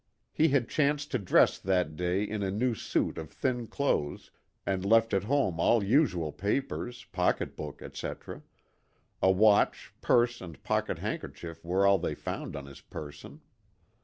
He had chanced to dress that day in a new suit of thin clothes and left at home all usual papers, pocket book, etc; a watch, purse and pocket handkerchief were all they found on THE GOOD SAMARITAN. 171 his person.